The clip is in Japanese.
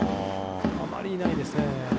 あまりいないですね。